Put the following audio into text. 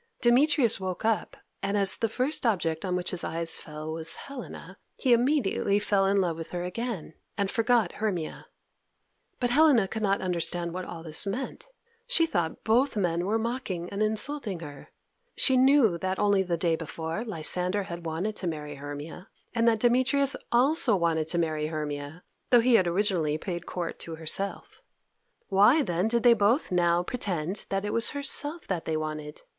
Demetrius woke up, and, as the first object on which his eyes fell was Helena, he immediately fell in love with her again, and forgot Hermia. But Helena could not understand what all this meant. She thought both men were mocking and insulting her. She knew that only the day before Lysander had wanted to marry Hermia, and that Demetrius also wanted to marry Hermia, although he had originally paid court to herself. Why, then, did they both now pretend that it was herself that they wanted?